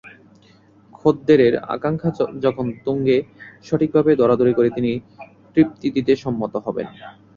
খদ্দেরের আকাঙ্ক্ষা যখন তুঙ্গে, সঠিকভাবে দরাদরি করে তিনি তাঁকে তৃপ্তি দিতে সম্মত হবেন।